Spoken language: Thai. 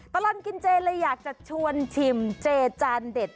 ตลอดกินเจเลยอยากจะชวนชิมเจจานเด็ด